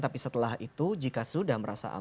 tapi setelah itu jika sudah merasa aman